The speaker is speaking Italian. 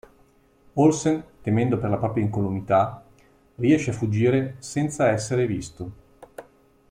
Olsen, temendo per la propria incolumità, riesce a fuggire senza essere visto.